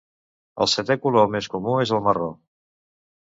El setè color més comú és el marró.